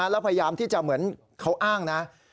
แล้วพยายามที่จะเหมือนเขาอ้างนะ